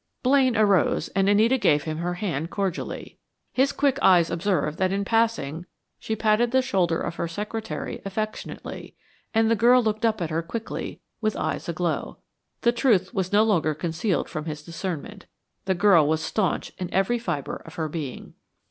Blaine arose, and Anita gave him her hand cordially. His quick eyes observed that in passing she patted the shoulder of her secretary affectionately, and the girl looked up at her quickly, with eyes aglow. The truth was no longer concealed from his discernment. The girl was staunch in every fiber of her being.